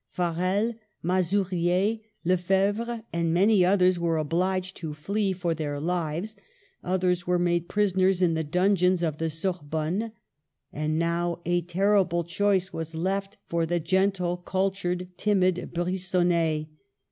Farel, Mazurier, Lefebvre, and many others were obliged to flee for their lives ; others were made prisoners in the dungeons of the Sorbonne. And now a terrible choice was left for the gentle, cultured, timid Brigonnet.